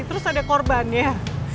terus ada korbannya